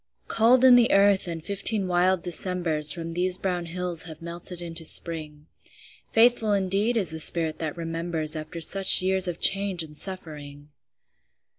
Cold in the earth, and fifteen wild Decembers From these brown hills have melted into Spring. Faithful indeed is the spirit that remembers After such years of change and suffering!